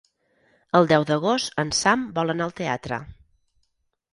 El deu d'agost en Sam vol anar al teatre.